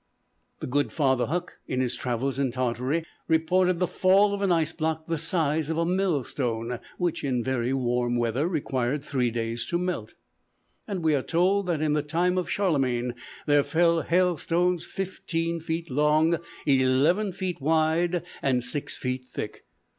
The good father Huc, in his travels in Tartary, reported the fall of an ice block the size of a millstone, which, in very warm weather, required three days to melt. And we are told that in the time of Charlemagne, there fell hailstones fifteen feet long, eleven feet wide and six feet thick.